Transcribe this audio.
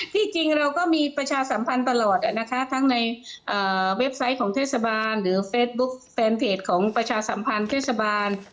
จริงเราก็มีประชาสัมพันธ์ตลอดนะคะทั้งในเว็บไซต์ของเทศบาลหรือเฟซบุ๊คแฟนเพจของประชาสัมพันธ์เทศบาล